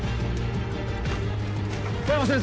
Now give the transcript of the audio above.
小山先生